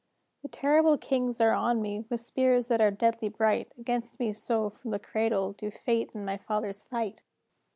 "The terrible Kings are on me, With spears that are deadly bright, Against me so from the cradle Do fate and my fathers fight."